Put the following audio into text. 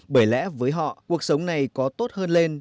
bởi lẽ với họ cuộc sống này có tốt hơn lên